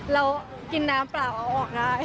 เรากินน้ำเปล่าเอาออกได้